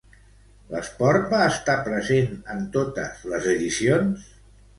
L'esport va estar present en totes les edicions?